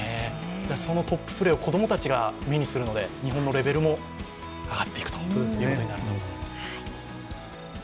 そのトッププレーを子供たちが目にするので、日本のレベルも上がっていくということになると思います。